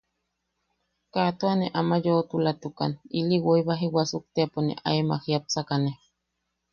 Kaa tua ne amak yoʼotulatukan, ili woi bai wasuktiapo ne aemak jiapsakane.